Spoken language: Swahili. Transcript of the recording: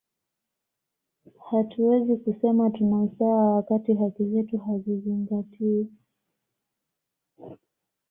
hatuwezi kusema tuna usawa wakati haki zetu hazizingztiwi